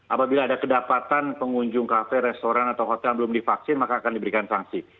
apabila ada kedapatan pengunjung kafe restoran atau hotel yang belum divaksin maka akan diberikan sanksi